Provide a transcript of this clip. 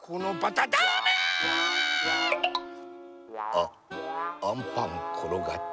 あアンパンころがった。